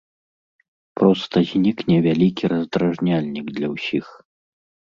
Проста знікне вялікі раздражняльнік для ўсіх.